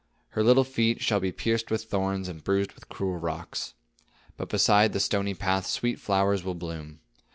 Her little feet shall be pierced with thorns and bruised with cruel rocks. But beside the stony path sweet flowers will bloom.